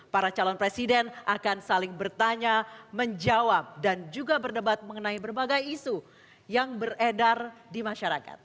para calon presiden akan saling bertanya menjawab dan juga berdebat mengenai berbagai isu yang beredar di masyarakat